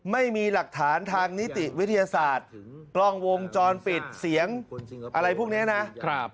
ไม่มีหลักฐานทางนิติวิทยาศาสตร์กล้องวงจรปิดเสียงอะไรพวกนี้นะครับ